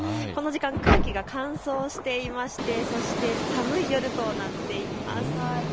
この時間、空気も乾燥していましてそして寒い夜となっています。